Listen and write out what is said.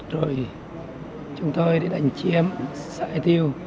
rồi chúng tôi đi đánh chiếm xảy tiêu